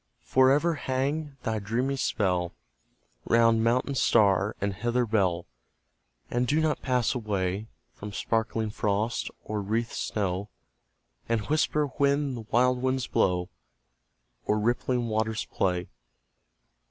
For ever hang thy dreamy spell Round mountain star and heather bell, And do not pass away From sparkling frost, or wreathed snow, And whisper when the wild winds blow, Or rippling waters play.